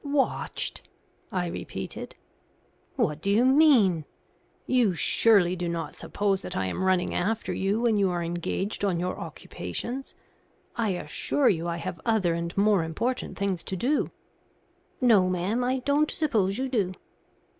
"Watched!" I repeated. "What do you mean? You surely do not suppose that I am running after you when you are engaged on your occupations. I assure you I have other and more important things to do." "No, ma'am, I don't suppose you do."